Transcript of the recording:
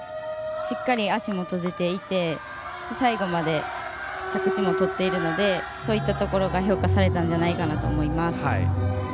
しっかり足も閉じていて最後まで着地もとっているのでそういったところが評価されたと思います。